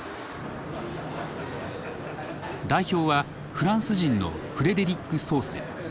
代表はフランス人のフレデリック・ソーセ。